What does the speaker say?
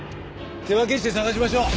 手分けして捜しましょう。